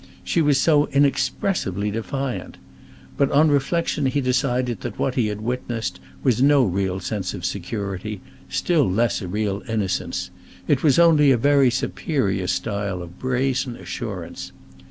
She was so inexpressively defiant! But on reflection he decided that what he had witnessed was no real sense of security, still less a real innocence. It was only a very superior style of brazen assurance.